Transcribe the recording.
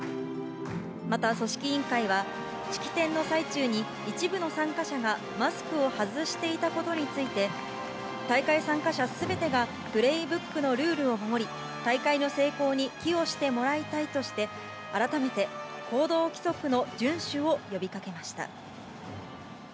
また、組織委員会は、式典の最中に、一部の参加者がマスクを外していたことについて、大会参加者すべてがプレイブックのルールを守り、大会の成功に寄与してもらいたいとして、改めて行動規則の順守を呼びかけました。